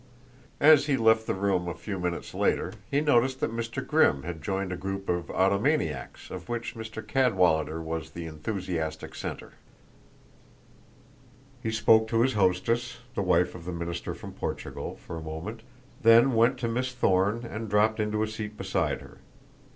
As he left the room a few minutes later he noticed that Mr. Grimm had joined a group of automaniacs of which Mr. Cadwallader was the enthusiastic center. He spoke to his hostess, the wife of the minister from Portugal, for a moment, then went to Miss Thorne and dropped into a seat beside her.